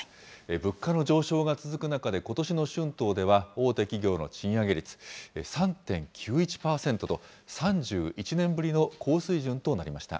物価の上昇が続く中で、ことしの春闘では、大手企業の賃上げ率３．９１％と、３１年ぶりの高水準となりました。